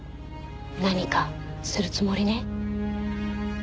何かするつもりね？